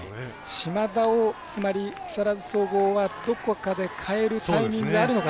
島田、つまり木更津総合はどこかで代えるタイミングがあるのか。